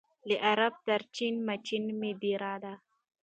له عرب تر چین ماچینه مي دېرې دي